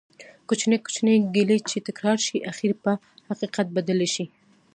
کوچنی کوچنی ګېلې چې تکرار شي ،اخير په حقيقت بدلي شي